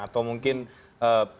atau mungkin keragaman